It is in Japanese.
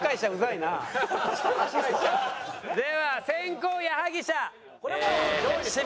では先攻矢作舎芝。